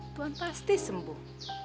tuan pasti sembuh